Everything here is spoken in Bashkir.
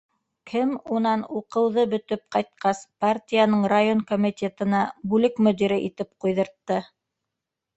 Кем унан, уҡыуҙы бөтөп ҡайтҡас, партияның район комитетына бүлек мөдире итеп ҡуйҙыртты?